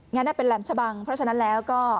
งั้นเป็นแหลมชะบังเพราะฉะนั้นแล้วก็